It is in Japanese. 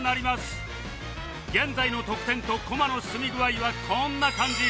現在の得点と駒の進み具合はこんな感じ